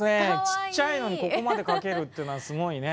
ちっちゃいのにここまで描けるっていうのはすごいね。